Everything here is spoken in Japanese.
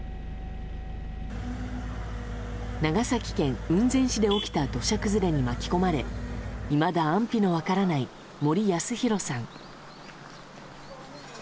長崎県雲仙市で起きた土砂崩れに巻き込まれいまだ安否の分からない森保啓さん。